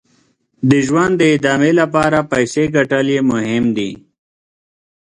د ژوند د ادامې لپاره پیسې ګټل یې مهم دي.